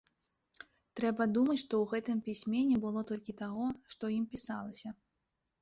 Трэба думаць, што ў гэтым пісьме не было толькі таго, што ў ім пісалася.